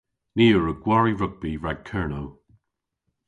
Ni a wrug gwari rugbi rag Kernow.